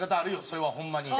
それはホンマに。